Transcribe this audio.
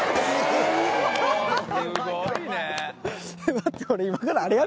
待って俺。